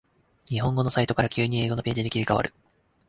日本語のサイトから急に英語のページに切り替わる